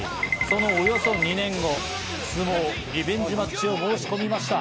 そのおよそ２年後、相撲リベンジマッチを申し込みました。